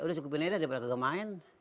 udah cukupin aja daripada kagak main